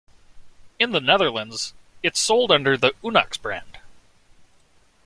In the Netherlands it is sold under the Unox brand.